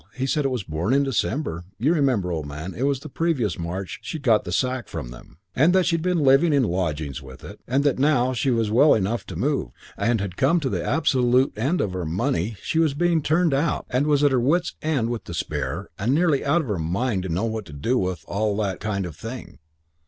She said it was born in December you remember, old man, it was the previous March she'd got the sack from them and that she'd been living in lodgings with it, and that now she was well enough to move, and had come to the absolute end of her money, she was being turned out and was at her wits' end with despair and nearly out of her mind to know what to do and all that kind of thing.